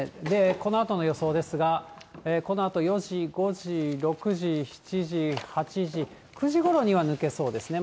このあとの予想ですが、このあと４時、５時、６時、７時、８時、９時ごろには抜けそうですね。